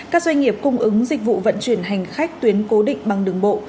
các doanh nghiệp cung ứng dịch vụ vận chuyển hành khách tuyến cố định bằng đường bộ